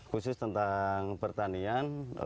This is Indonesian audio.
khusus tentang pertanian